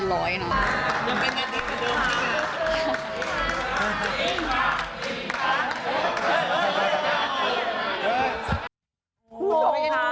ดีค่ะเดี๋ยวเจอกันที่อินโนเนซียประมาณนี้